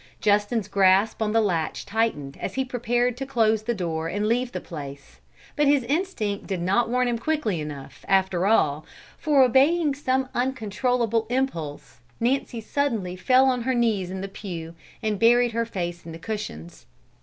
Justin's grasp on the latch tightened as he prepared to close the door and leave the place, but his instinct did not warn him quickly enough, after all, for, obeying some uncontrollable impulse, Nancy suddenly fell on her knees in the pew and buried her face in the cushions.